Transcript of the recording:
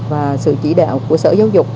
và sự chỉ đạo của sở giáo dục